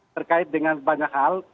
terkait dengan banyak hal